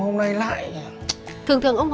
mà thiết các người